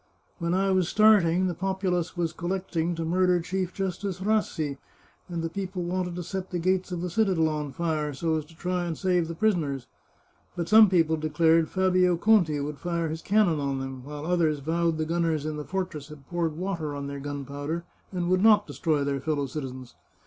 When I was starting, the populace was collecting to murder Chief Justice Rassi, and the people wanted to set the gates of the citadel on fire, so as to try and save the prisoners. But some people declared Fabio Conti would fire his cannon on them, while others vowed the gunners in the fortress had poured water on their gun powder, and would not destroy their fellow citizens.